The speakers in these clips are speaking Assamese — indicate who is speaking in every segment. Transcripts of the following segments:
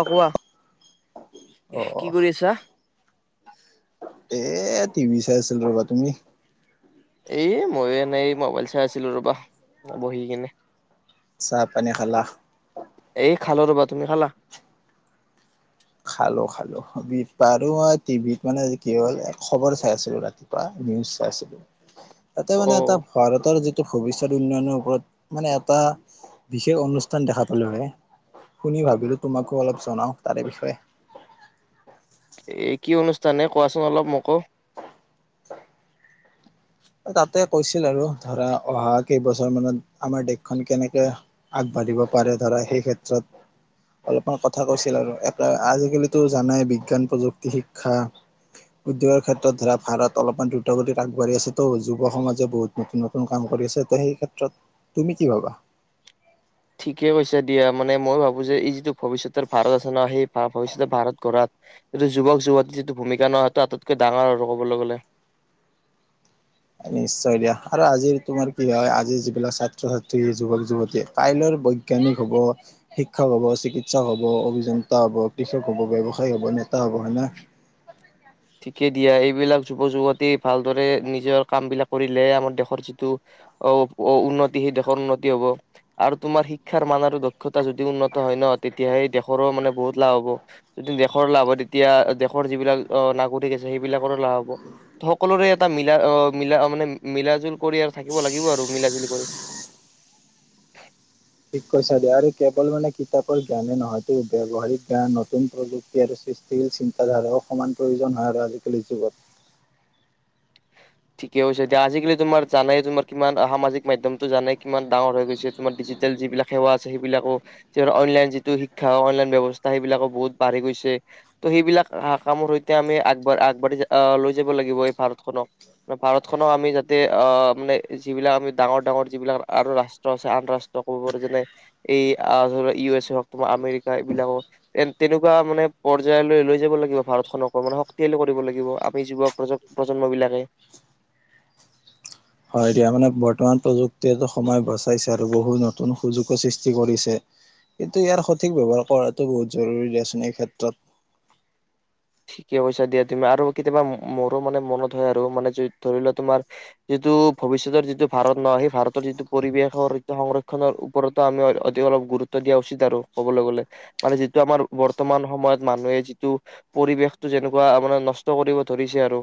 Speaker 1: অ কোৱা
Speaker 2: অ
Speaker 1: কি কৰি আছা
Speaker 2: এএ টিভি চাই আছিলো ৰবা তুমি
Speaker 1: এই মইয়ো এনেই এই মোবাইল চাই আছিলো ৰবা বহি কিনে
Speaker 2: চাহপানী খালাহ
Speaker 1: এই খালো ৰ'বা তুমি খালা
Speaker 2: খালো খালো [unintelligible] মই টিভিত মানে আজি কি হ'ল এ খবৰ চাই আছিলো ৰাতিপুৱা নিউজ চাইছিলো [unintelligible] তাতে মানে এটা
Speaker 1: অ
Speaker 2: ভাৰতৰ যি ভৱিষ্যয়ত উন্নয়নৰ ওপৰত মানে এটা বিশেষ অনুষ্ঠান দেখা পালো ৰে শুনি ভাবিলো তোমাকো অলপ জনাও তাৰে বিষয়ে [unintelligible]
Speaker 1: এই কি অনুষ্ঠান এ কোৱাচোন অলপ মকো
Speaker 2: তাতে কৈছিল আৰু ধৰা অহা কেইবছৰ মানত আমাৰ দেশখন কেনেকে আগবাঢ়িব পাৰে ধৰা সেই ক্ষেত্ৰত অলপমান কথা কৈছিল আৰু [unintelligible] আজিকালিতো জানাই বিজ্ঞান প্ৰযুক্তি শিক্ষা উদ্যোগৰ ক্ষেত্ৰত ধৰা ভাৰত অলপমান দ্ৰুতগতিত আগবাঢ়ি আছে [unintelligible] ত যুৱ সমাজে বহুত নতুন নতুন কাম কৰি আছে তে সেই ক্ষেত্ৰত তুমি কি ভাবা
Speaker 1: ঠিকেই কৈছে দিয়া মানে মই ভাবো যে এই যিটো ভৱিষ্যতৰ ভাৰত আছে ন সেই ভৱিষ্যতৰ ভাৰত গঢ়াত এইটো যুৱক যুৱতীৰ যিটো ভূমিকা ন সেইটো আটাইতকৈ ডাঙৰ আৰু কবলৈ গলে [unintelligible]
Speaker 2: নিশ্চয় দিয়া আৰু আজিৰ তোমাৰ কি হয় আজিৰ যিবিলাক ছাত্ৰ ছাত্ৰী যুৱক যুৱতীয়ে কাইলৈৰ বৈজ্ঞানিক হব শিক্ষক হব চিকিৎসক হব অভিযন্তা হব কৃষক হব বেৱসায়ী হব নেতা হ'ব হয় ন [unintelligible]
Speaker 1: ঠিকেই দিয়া এইবিলাক যুৱ যুৱতী ভালদৰে নিজৰ কাম বিলাক কৰিলেহে আমাৰ দেশৰ যিটো অ-অ উন্নতি সেই দেশৰ উন্নতি হব আৰু তোমাৰ শিক্ষাৰ মান আৰু দক্ষতা যদি উন্নত হয় ন তেতিয়াহে দেশৰো মানে বহুত লাভ হব যদি দেশৰ লাভ হয় তেতিয়া দেশৰ যিবিলাক অ [unintelligible] [unintelligible] আছে সেইবিলাকৰো লাভ হব ত সকলোৰে এটা মিলা অহ মিলা মানে মিলা জুল কৰি আৰু থাকিব লাগিব আৰু মিলা জুলি কৰি [unintelligible]
Speaker 2: ঠিক কৈছা দিয়া আৰু কেৱল মানে, কিতাপৰ জ্ঞানে নহয়। ব্যৱহাৰিক বা নতুন প্ৰযুক্তি আৰু সৃষ্টিশীল চিন্তাধাৰাও সমান প্ৰয়োজন হয় আৰু আজিকালি যুগত
Speaker 1: ঠিকেই কৈছা দিয়া আজিকালি তোমাৰ জানাই তোমাৰ কিমান সামাজিক মাধ্যমটো জানে কিমান ডাঙৰ হৈ গৈছে তোমাৰ ডিজিটেল যিবিলাক সেৱা আছে সেইবিলাকো যিবোৰ অনলাইন যিটো শিক্ষা অনলাইন ব্যৱস্থা সেইবিলাকো বহুত বাঢ়ি গৈছে ত' সেইবিলাক কামৰ সৈতে আমি আগবাঢ- আগবাঢ়ি আ লৈ যাব লাগিব এই ভাৰতখনক। ত ভাৰতখনক আমি যাতে আহ মানে যিবিলাক আমি ডাঙৰ ডাঙৰ যিবিলাক আৰু ৰাষ্ট্ৰ আছে আন্তৰাষ্ট্ৰ কব পাৰো যেনে এই ধৰা ইউ এছ এ হও তোমাৰ আমেৰিকা এইবিলাকক তে তেনেকুৱা মানে পৰ্য্যায়লৈ লৈ যাব লাগিব ভাৰতখনকো মানে শক্তিশালী কৰিব লাগিব আমি যুৱ প্ৰজ -প্ৰজন্ম বিলাকে।
Speaker 2: হয় দিয়া মানে বৰ্তমান প্ৰযুক্তিয়েটো সময় বচাইছে আৰু বহুত নতুন সুযোগো সৃষ্টি কৰিছে, কিন্তু ইয়াৰ সঠিক ব্যৱহাৰ কৰাটো বহুত জৰুৰী দিয়াচোন এই ক্ষেত্ৰত।
Speaker 1: ঠিকে কৈছা দিয়া তুমি আৰু কেতিয়াবা মোৰো মানে মনত হয় আৰু মানে যদি ধৰি লোৱা তোমাৰ যিটো ভৱিষ্যতৰ যিটো ভাৰত নহ সেই ভাৰতৰ যিটো পৰিৱেশৰ সংৰক্ষনৰৰ ওপৰতো আমি অতি অলপ গুৰুত্ব দিয়া উচিত আৰু কবলৈ গলে মানে যিটো আমাৰ বৰ্তমান সময়ত মানুহে যিটো পৰিবেশতো যেনেকুৱা মানে নষ্ট কৰিব ধৰিছে আৰু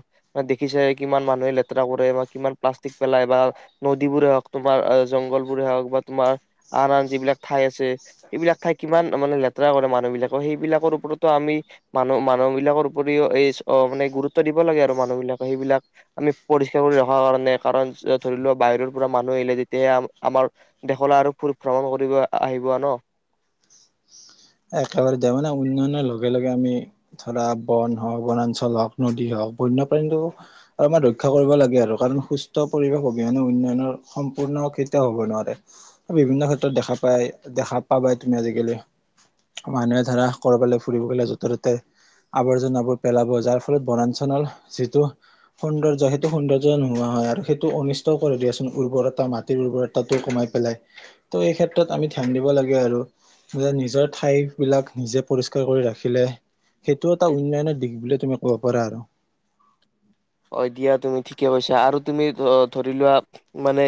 Speaker 1: দেখিচাই কিমান মানুহে লেতেৰা কৰে বা কিমান প্লাষ্টিক পেলাই বা নদীবোৰে হওক তোমাৰ জংঘল বোৰে হওক বা তোমাৰ আন আন যিবিলাক ঠাই আছে সেইবিলাক ঠাই কিমান মানে লেতেৰা কৰে মানুহ বিলাকৰ সেইবিলাকৰ ওপৰতো আমি মানুহ মা মানুহ বিলাকৰ উপৰিও এই মানে গুৰুত্ব দিব লাগে আৰু মানুহ বিলাকে সেইবিলাক আমি পৰিষ্কাৰ কৰি ৰখা কাৰণে কাৰণ ধৰি লোৱা বাহিৰৰ পৰা মানুহ আহিলে তেতিয়াহে আমাৰ দেশলৈ আৰু ফুৰি ভ্ৰমণ কৰিব আহিব ন
Speaker 2: একেবাৰে দিয়া মানে উন্নয়নৰ লগে লগে আমি ধৰা বন হওক বনাঞ্চল হওক নদী হওক বন্যপ্ৰাণীটো আমাৰ ৰক্ষা কৰিব লাগে আৰু কাৰণ সুস্থ পৰিৱেশ অবিহনে উন্নয়নৰ সম্পূৰ্ণ কেতিয়াও হব নোৱাৰে বিভিন্ন ক্ষেত্ৰত দেখা পায় দেখা পাবাই তুমি আজিকালি মানুহে ধৰা কৰবালে ফুৰিব গলে য'তে ত'তে আৱৰ্জনাবোৰ পেলাব যাৰ ফলত বনাঞ্চলৰ যিটো সৌন্দৰ্য সেইটো সৌন্দৰ্য নোহোৱা হয় আৰু সেইটো অনিষ্ট কৰি দিয়াচোন উৰ্বৰতা মাটিৰ উৰ্বৰতাটো কমাই পেলাই ত' এই ক্ষেত্ৰত আমি ধ্যান দিব লাগে আৰু যে নিজৰ ঠাই বিলাক নিজে পৰিষ্কাৰ কৰি ৰাখিলে সেইটো এটা উন্নয়নৰ দিশ বুলি তুমি ক'ব পাৰা আৰু
Speaker 1: অ দিয়া তুমি ঠিকে কৈছা আৰু তুমি ধৰি লোৱা মানে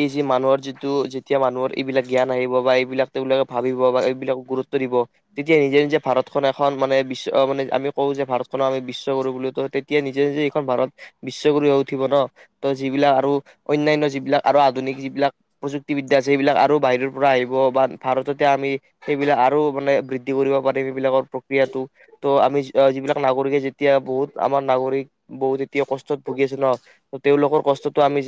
Speaker 1: এই যি মানুহৰ যিটো যেতিয়া মানুহৰ এইবিলাক জ্ঞান আহিব বা এইবিলাক তেওঁলোকে ভাবিব বা এইবিলাকক গুৰুত্ব দিব তেতিয়া নিজে নিজে ভাৰতখন এখন মানে বিশ্ব মানে আমি কওঁ যে ভাৰতখনক আমি বিশ্ব কৰো বুলিতো তেতিয়া নিজে নিজে ভাৰত বিশ্ব গুৰু উঠিব ন ত' যিবিলাক আৰু অন্যান্য যিবিলাক আৰু আধুনিক যিবিলাক প্ৰযুক্তিবিদ্যা আছে সেইবিলাক আৰু বাহিৰৰ পৰা আহিব বা ভাৰততে আমি সেইবিলাক আৰু মানে বৃদ্ধি কৰিব পাৰিম সেইবিলাকৰ প্ৰক্ৰিয়াটো ত' আমি যিবিলাক নাগৰিকে যেতিয়া বহুত আমাৰ নাগৰিক, বহুত এতিয়া কষ্টত ভুগি আছে ন তেওঁলোকৰ কষ্টটো আমি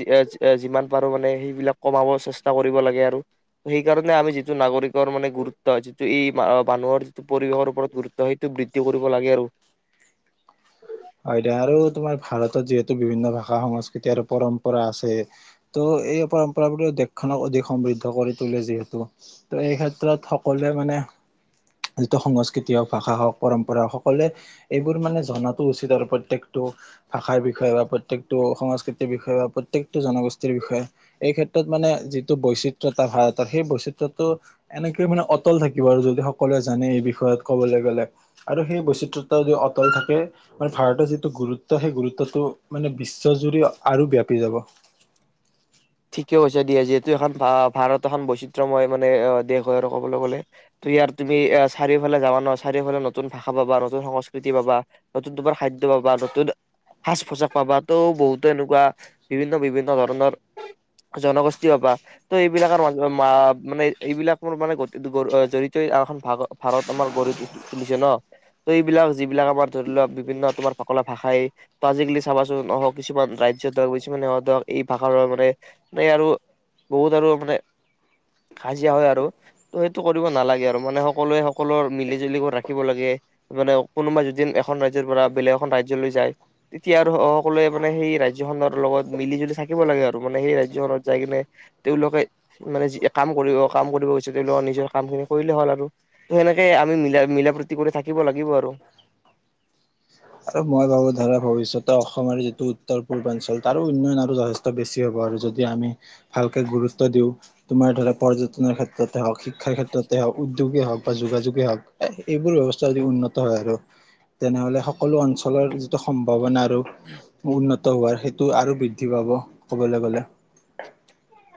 Speaker 1: যিমান পাৰো মানে সেইবিলাক কমাব চেষ্টা কৰিব লাগে আৰু সেইকাৰণে আমি যিটো নাগৰিকৰ মানে গুৰুত্ব যিটো এই মানুহৰ যিটো পৰিৱেশৰ ওপৰত গুৰুত্ব সেইটো বৃদ্ধি কৰিব লাগে আৰু
Speaker 2: হয় দে আৰু তোমাৰ ভাৰতত যিহেতু বিভিন্ন ভাষা সংস্কৃতি আৰু পৰম্পৰা আছে ত' এই পৰম্পৰাবোৰে দেশখনক অধিক সমৃদ্ধ কৰি তোলে যিহেতু ত এই ক্ষেত্ৰত সকলোৱে মানে যিটো সংস্কৃতি হওক ভাষা হওক পৰম্পৰা হওক সকলোৱে এইবোৰ মানে জন উচিত আৰু প্ৰত্যেকটো ভাষাৰ বিষয়ে বা প্ৰত্যেকটো সংস্কৃতিৰ বিষয়ে বা প্ৰত্যেকটো জনগোষ্ঠীৰ বিষয়ে এই ক্ষেত্ৰত মানে যিটো বৈচিত্ৰতা ভাৰতৰ সেই বৈচিত্ৰটো এনেকয় মানে অটল থাকিব আৰু যদি সকলোৱে জানে এই বিষয়ত ক'বলৈ গলে আৰু সেই বৈচিত্ৰতা যদি অটল থাকে। ম ভাৰতৰ যিটো গুৰুত্ব সেই গুৰুত্বটো মানে বিশ্বজুৰি আৰু ব্যাপি যাব
Speaker 1: ঠিকে হৈছে দিয়া যিহেতু এখন ভ ভাৰত এখন বৈচিত্ৰময় মানে দেশ হয় আৰু কবলৈ গলে ত ইয়াৰ তুমি চাৰিওফালে যাবা ন চাৰিওফালে নতুন ভাষা পাবা নতুন সংস্কৃতি পাবা নতুন তোমাৰ খাদ্য পাবা নতুন সাজ পোছাক পাবা, ত' বহুতো এনেকুৱা বিভিন্ন বিভিন্ন ধৰণৰ জনগোষ্ঠী হাবা ত' এইবিলাকৰ ম মানে এইবিলাক ম মানে জড়িত এখন ভাগ ভাৰত আমাৰ গঢ়ি তুলিছে ন ত এইবিলাক যিবিলাক আমাৰ ধৰি লোৱা বিভিন্ন তোমাৰ ফকলা ভাষাই ত আজিকালি চাবাচোন নহওক কিছুমান ৰাজ্য ধৰক কিছুমান ধৰক এই ভাষাৰ আৰু বহুত আৰু মানে হাজিৰা হয় আৰু ত সেইটো কৰিব নালাগে আৰু মানে সকলোৱে সকলোৰে মিলি জুলি কৰি ৰাখিব লাগে মানে কোনোবা যদি এখন ৰাজ্যৰ পৰা বেলেগ এখন ৰাজ্যলৈ যায় তেতিয়া আৰু সকলোৱে মানে সেই ৰাজ্যখনৰ লগত মিলি জুলি থাকিব লাগে আৰু। আৰু মানে সেই ৰাজ্যখনত যাই কিনে তেওঁলোকে মানে যি কাম কৰিব কাম কৰিব গৈ তেওঁলোকৰ নিজৰ কামখিনি কৰিলে হ'ল আৰু ত সেনেকে আমি মিলা মিলা প্ৰতি কৰি থাকিব লাগিব আৰু
Speaker 2: আৰু মই ভাবো ধৰা ভৱিষ্যতে অসমৰ যিটো উত্তৰ পূৰ্বাঞ্চল তাৰো উন্নয়ন আৰু যথেষ্ট বেছি হ'ব আৰু যদি আমি ভালকে গুৰুত্ব দিওঁ তোমাৰ ধৰা পৰ্যটনৰ ক্ষেত্ৰতে হওঁক শিক্ষাৰ ক্ষেত্ৰতে হওক উদ্যোগে হওক বা যোগাযোগেই হওক এ এইবোৰ ব্যৱস্থা যদি উন্নত হয় আৰু তেনেহলে সকলো অঞ্চলৰ যিটো সম্ভাৱনা, উন্নত হোৱাৰ সেইটো আৰু বৃদ্ধি পাব ক'বলৈ গলে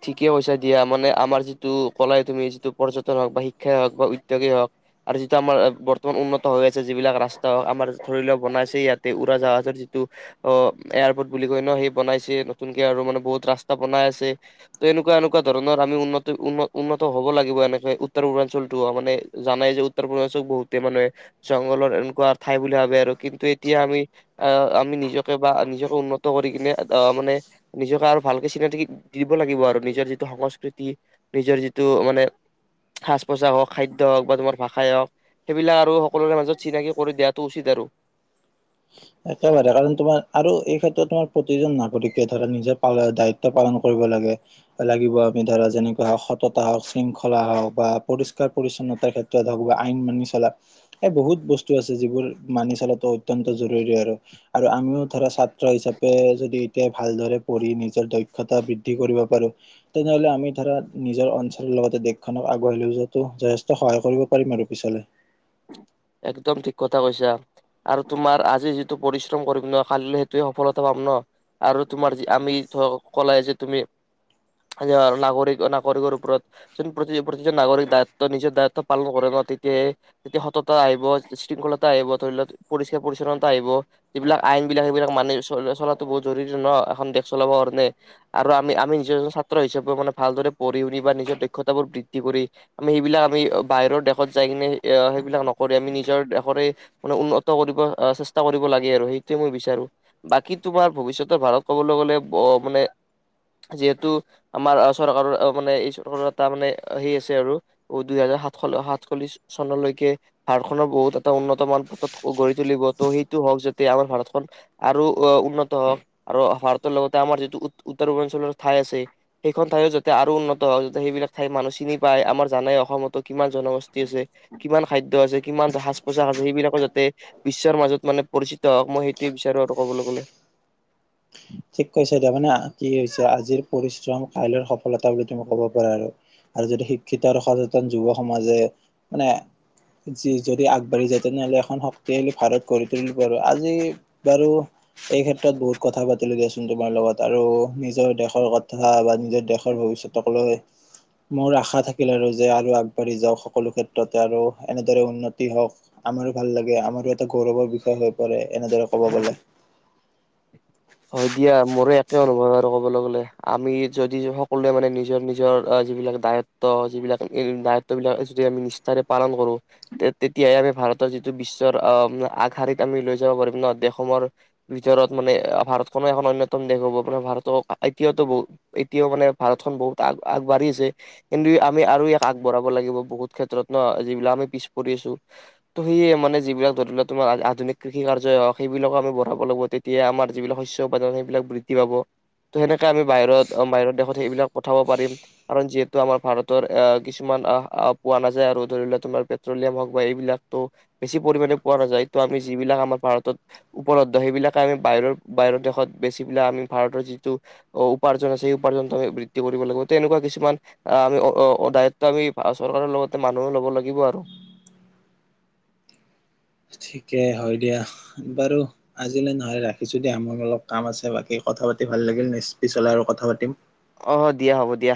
Speaker 1: ঠিকেই পইচা দিয়া মানে আমাৰ যিটো কলাই তুমি যিটো পৰ্যটন হওক বা শিক্ষাই হওক বা উদ্যোগেই হওক আৰু যিটো আমাৰ বৰ্তমান উন্নত হৈ আছে যিবিলাক ৰাস্তা হওক আমাৰ ধৰি লোৱাক বনাইছে ইয়াতে উৰাজাহাজৰ যিটো অ এয়াৰপৰ্ট বুলি কয় ন সেই বনাইছে, নতুনকে আৰু মানে বহুত ৰাস্তা বনাই আছে। ত এনেকুৱা এনেকুৱা ধৰণৰ আমি উন্নত উন্ন উন্নত হব লাগিব এনেকে উত্তৰ পূৰ্বাঞ্চলটো মানে জানাই যে উত্তৰ পূৰ্বাঞ্চল বহুতে মানুহে জংঘলৰ এনেকুৱা ঠাই বুলি ভাবে আৰু কিন্তু এতিয়া আমি আহ আমি নিজকে বা নিজকে উন্নত কৰি কিনে আহ মানে নিজকে আৰু ভালকে চিনাক লাগিব আৰু নিজৰ যিটো সংস্কৃতি নিজৰ যিটো মানে সাজ পোছাক হওক খাদ্য হওঁক বা তোমাৰ ভাষাই হওক সেইবিলাক আৰু সকলোৰে মাজত চিনাকি কৰি দিয়াটো উচিত আৰু
Speaker 2: একেবাৰে কাৰণ তোমাৰ আৰু এই ক্ষেত্ৰত তোমাৰ প্ৰতিজন নাগৰিকে ধৰা নিজৰাল দায়িত্ব পালন কৰিব লাগে লাগিব আমি ধৰা যেনেকুৱা হওক সততা হওক শৃংখলা হওক বা পৰিষ্কাৰ পৰিছন্নতাৰ ক্ষেত্ৰত হওঁক বা আইন মানি চলা এই বহুত বস্তু আছে যিবোৰ মানি চলাটো অত্যন্ত জ আৰু আৰু আমিও ধৰা ছাত্ৰ হিচাপে যদি এতিয়া ভালদৰে পঢ়ি নিজৰ দক্ষতা বৃদ্ধি কৰিব পাৰো তেনেহলে আমি ধৰা নিজৰ অঞ্চলৰ লগতে দেশখনক আগুৱাই লৈ যোৱাটো যথেষ্ট সহায় কৰিব পাৰিম আৰু পিছ
Speaker 1: একদম ঠিক কথা কৈছা আৰু তোমাৰ আজি যিটো পৰিশ্ৰম কৰিম ন কালিলৈ সেইটো সফলতা পাম ন আৰু তোমাৰ আমি কলাই যে তুমি নাগৰিক নাগৰিকৰ ওপৰত প্ৰতি প্ৰতিজন নাগৰিক দায়িত্ব নিজৰ দায়িত্ব পালন কৰে ন তেতিয়াহে তে ততা আহিব শৃংখলতা আহিব ধৰি লওক পৰিষ্কাৰ পৰিচ্ছন্নতা আহিব যিবিলাক আইন বিলাক সেইবিলাক মানি চ চলাটো বহু জৰুৰী ন এখন দেশ চলাবৰ কাৰণে আৰু আমি আমি নিজৰ এ ছাত্ৰ হিচাপে মানে ভালদৰে পঢ়ি শুনি বা নিজৰ দক্ষতা বোৰ বৃদ্ধি কৰি আমি সেইবিলাক আমি বাহিৰৰ দেশত যাই কিনে বিলাক নকৰি আমি নিজৰ দেশৰে মানে উন্নত কৰিব আহ চেষ্টা কৰিব লাগে আৰু সেইটোয়ে মই বিচাৰো বাকী তোমাৰ ভৱিষতৰ ভাৰত কবলৈ গলে মানে যিহেতু আমাৰ চৰকাৰৰ মানে এই চৰকাৰৰ এটা মানে সেই আছে আৰু দুইহেজাৰ সাত সাতচল্লিশ চনলৈকে ভাৰত খনৰ বহুত এটা উন্নত মান পত গঢ়ি তুলিব ত' সেইটো হওক যাতে আমাৰ ভাৰতখন আৰু আহ উন্নত হওঁক আৰু ভাৰতৰ লগতে আমাৰ যিটো উত্তৰ পূৰ্বাঞ্চলৰ ঠাই আছে সেইখন ঠাইও যাতে আৰু উন্নত হওঁক যাতে সেইবিলাক ঠাই মানুহ চিনি পাই আমাৰ জানে অসমতো কিমান জনগোষ্ঠী আছে কিমান খাদ্য আছে কিমান সাজ পোছাক আছে সেইবিলাকো যাতে বিশ্বৰ মাজত মানে পৰিচিত হওক মই সেইটোৱে বিচাৰো আৰু ক'বলৈ গ'লে,
Speaker 2: ঠিক কৈছে। এতিয়া মানে কি হৈছে আজিৰ পৰিশ্ৰম কাইলৈৰ সফলতা বুলি তুমি ক'ব পাৰা আৰু আৰু যদি শিক্ষিত আৰু সচেতন যুৱ সমাজে মানে যি যদি আগবাঢ়ি যায় তেনেহ'লে এখন শক্তিশালী ভাৰত গঢ়ি তুলিব আৰু আজি বাৰু এই ক্ষেত্ৰত বহুত কথা পাতি দিয়া চোন তোমাৰ লগত আৰু নিজৰ দেশৰ কথা বা নিজৰ দেশৰ ভৱিষ্যতক লৈ মোৰ আশা থাকিল আৰু যে আৰু আগবাঢ়ি যাওক সকলো ক্ষেত্ৰতে আৰু এনেদৰে উন্নতি হওঁক আমাৰো ভাল লাগে আমাৰো এটা গৌৰৱৰ বিষয় হৈ পৰে এনেদৰে কব গলে
Speaker 1: হয় দিয়া মোৰ একে অনুভৱ আৰু কবলৈ গলে। আমি যদি সকলোৱে মানে নিজৰ নিজৰ যিবিলাক দায়িত্ব যিবিলাক দায়িত্ব বিলাক যদি আমি নিষ্ঠাৰে পালন কৰো তেতিয়ে আমি ভাৰতৰ যিটো বিশ্বৰ আহ আগশাৰত আমি লৈ যাব পাৰিম দেশৰ ভিতৰত মানে ভাৰতখনো এখন এন্যতম দেশ হ'ব ভাৰত এতিয়াতো বহুত এতিয়াও মানে ভাৰ খখন বহুত আগ আগবাঢ়ি আছে কিন্তু আমি আৰু ইয়াক আগবঢ়াব লাগিব বহুত ক্ষেত্ৰত ন যিবিলাক আমি পিছ পৰি আছো ত' সেয়ে মানে যিবিলাক ধৰি লোৱা তোম আধুনিক কৃষি কাৰ্য্যই হওক সেইবিলাকো আমি বঢ়াব লাগিব তেতিয়াই আমাৰ যিবিলাক শস্য উপাদান সেইবিলাক বৃদ্ধি পাব ত' সেনেকে আমি বাহিৰত বাহিৰৰ দেশত সেইবিলাক পঠাব পাৰিম কাৰণ যিহেতু আমাৰ ভাৰতৰ আহ কিছুমান পোৱা নাযায় আৰু ধৰি ল তোমাৰ পেট্ৰলিয়াম হওক বা এইবিলাক বেছি পৰিমাণে পোৱা নাযায় ত' আমি যিবিলাক আমাৰ ভাৰতত উপলব্ধ সেইবিলাকে আমি বাহিৰৰ বাহিৰৰ দেশত বেচি পেলাই আমি ভাৰতৰ যিটো উপাৰ্জন আছে সেই উপাৰ্জনটো আমি বৃদ্ধি কৰিব লাগিব তে এনেকুৱা কিছুমান আহ আমি অদায়ত্ব আমি চৰকাৰৰ লগতে মানুহে লব লাগিব আৰু
Speaker 2: ঠিকে হয় দিয়া বাৰু আজিলে নহলে ৰাখিছো দিয়া মোৰ অলপ কাম আছে বাকী কথা পাতি ভাল লাগিল পিছলে আৰু কথা পাতিম।
Speaker 1: আহ দিয়া হ'ব দিয়া।